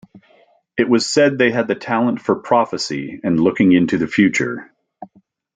It was said they had the talent for prophecy and looking into the future.